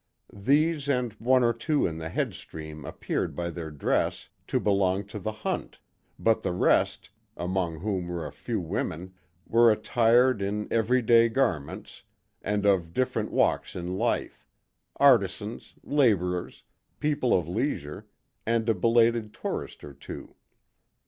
These and one or two in the head stream appeared by their dress to belong to the hunt, but the rest, among whom were a few women, were attired in everyday garments and of different walks in life: artisans, labourers, people of leisure, and a belated tourist or two.